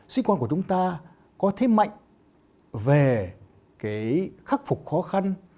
sĩ quan của chúng ta có thế mạnh về khắc phục khó khăn